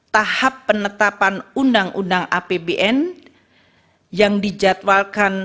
tahap penetapan undang undang apbn yang dijadwalkan